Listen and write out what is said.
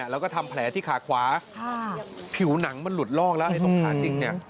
แล้วก็ทำแผลที่ขาขวาผิวหนังมันหลุดลอกแล้วไอ้ตรงขาจริงเนี่ย